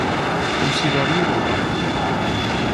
Com s'hi va a viure el pare?